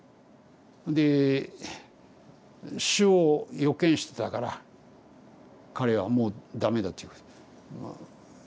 で死を予見してたから彼はもう駄目だっていう。